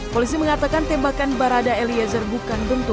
polisi mengatakan tembakan barada eliezer bukan bentuk